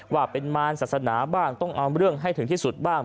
ว่าเป็นมารศาสนาบ้างต้องเอาเรื่องให้ถึงที่สุดบ้าง